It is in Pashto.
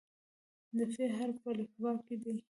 د "ف" حرف په الفبا کې دی.